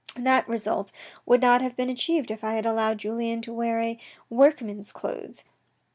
That result would not have been achieved if I had allowed Julien to wear a workman's clothes.